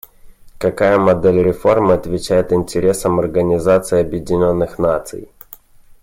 Какая модель реформы отвечает интересам Организации Объединенных Наций?